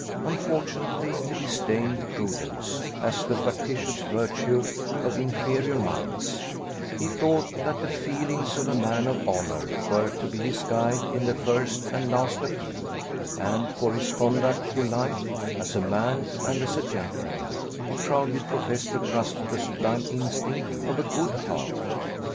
Unfortunately he disdained prudence, as the factitious virtue of inferior minds: he thought that the feelings of a man of honour were to be his guide in the first and last appeal; and for his conduct through life, as a man and as a gentleman, he proudly professed to trust to the sublime instinct of a good heart.